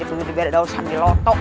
bisa diberi daun sambil otot